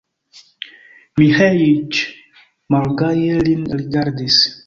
Miĥeiĉ malgaje lin rigardis.